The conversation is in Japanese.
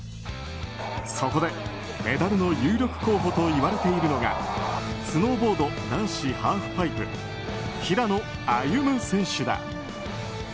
そこでメダルの有力候補といわれているのがスノーボード男子ハーフパイプ平野歩夢選手だ。